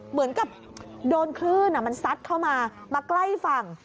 เหมือนกับโดนคลื่นมันซัดเข้ามามาใกล้ฝั่ง